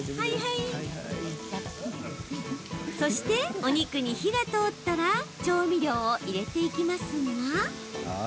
そして、お肉に火が通ったら調味料を入れていきますが。